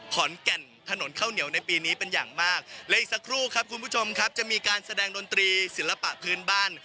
ขอนแก่นถนนข้าวเหนียวในปีนี้เป็นอย่างมากและอีกสักครู่ครับคุณผู้ชมครับจะมีการแสดงดนตรีศิลปะพื้นบ้าน